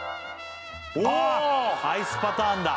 ああアイスパターンだ